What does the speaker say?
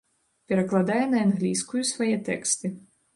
Перакладае на англійскую свае тэксты.